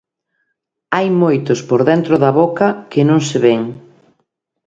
Hai moitos por dentro da boca que non se ven.